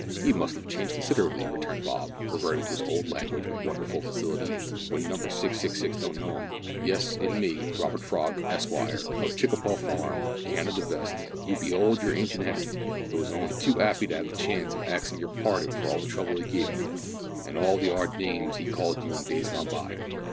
"He must 'ave changed considerable," returned Bob, reverting to his old language with wonderful facility, "w'en Number 666 don't know 'im. Yes, in me, Robert Frog, Esquire, of Chikopow Farm, Canada Vest, you be'old your ancient henemy, who is on'y too 'appy to 'ave the chance of axin your parding for all the trouble he gave you, an' all the 'ard names he called you in days gone by."